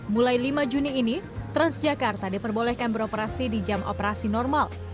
mulai lima juni ini transjakarta diperbolehkan beroperasi di jam operasi normal